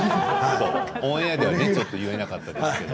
オンエアでは言えなかったですけど。